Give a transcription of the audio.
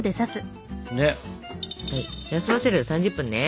休ませるの３０分ね。